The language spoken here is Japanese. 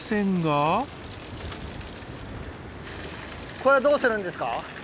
これはどうするんですか？